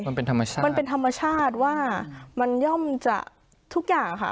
มันเป็นธรรมชาติมันเป็นธรรมชาติว่ามันย่อมจะทุกอย่างค่ะ